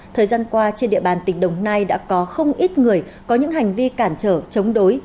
thời gian qua trên địa bàn tỉnh đồng nai đã có không ít người có những hành vi cản trở chống đối